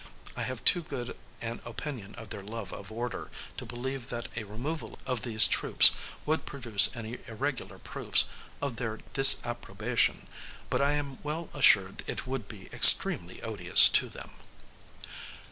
I have too good an opinion of their love of order, to believe that a removal of these troops would produce any irregular proofs of their disapprobation, but I am well assured it would be extremely odious to them.